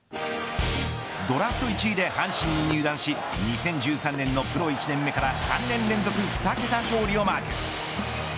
ドラフト１位で阪神に入団し２０１３年のプロ１年目から３年連続２桁勝利をマーク。